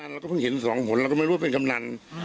เราก็เพิ่งเห็นสองหนเราก็ไม่รู้ว่าเป็นกำนัน